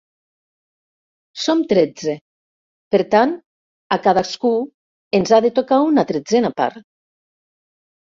Som tretze; per tant, a cadascú ens ha de tocar una tretzena part.